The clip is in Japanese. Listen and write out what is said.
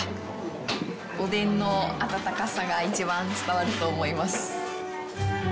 おでんの温かさが一番伝わると思います。